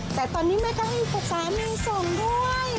แต่ตอนนี้แม่ก็ให้ผู้สามารถส่งด้วย